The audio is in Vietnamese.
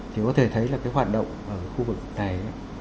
thì có thể thấy là cái hoạt động ở khu vực này